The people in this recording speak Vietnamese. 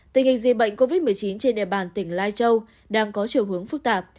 tình hình dịch bệnh covid một mươi chín trên địa bàn tỉnh lai châu đang có chiều hướng phức tạp